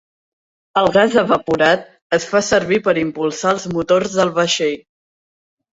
El gas evaporat es fa servir per impulsar els motors del vaixell.